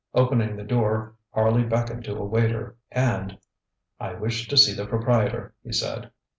Opening the door Harley beckoned to a waiter, and: ŌĆ£I wish to see the proprietor, ŌĆØ he said.